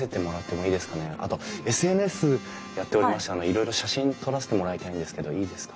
あとＳＮＳやっておりましていろいろ写真撮らせてもらいたいんですけどいいですか？